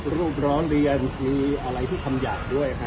มีรูปร้องเรียนมีอะไรที่ธรรมอยากด้วยด้วยฮะ